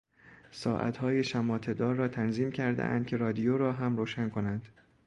ساعتهای شماطهدار را تنظیم کردهاند که رادیو را هم روشن کنند.